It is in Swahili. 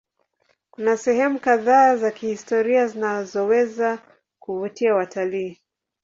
Kuna sehemu kadhaa za kihistoria zinazoweza kuvutia watalii.